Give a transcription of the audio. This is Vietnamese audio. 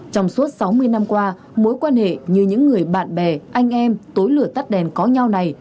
trong suốt sáu mươi năm qua mối quan hệ như những người bạn bè anh em tối lửa tắt đèn có nhau này